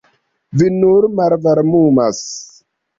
Vi nur malvarmumas.